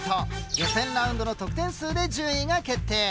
予選ラウンドの得点数で順位が決定。